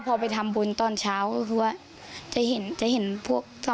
พอไปทำบุญตอนเช้าก็คือว่าจะเห็นจะเห็นพวก